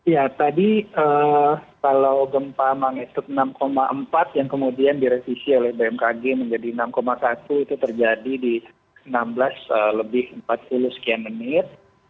ya tadi kalau gempa magtut enam empat yang kemudian direvisi oleh bmkg menjadi enam satu itu terjadi di enam belas lebih empat puluh sekian menit